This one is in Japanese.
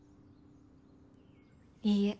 いいえ。